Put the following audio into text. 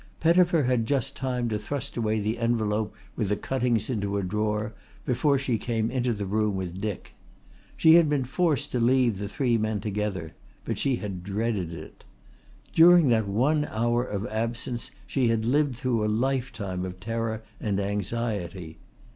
Pettifer had just time to thrust away the envelope with the cuttings into a drawer before she came into the room with Dick. She had been forced to leave the three men together, but she had dreaded it. During that one hour of absence she had lived through a lifetime of terror and anxiety.